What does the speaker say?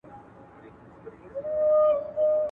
د سرطان د درملنې پروګرام دوامداره دی.